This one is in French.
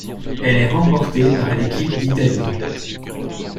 Elle est remportée par l'équipe d'Italie.